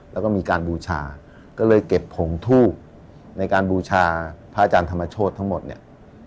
แล้วก็มีการบูชาก็เลยเก็บผงทูบในการบูชาพระอาจารย์ธรรมโชธทั้งหมดเนี่ย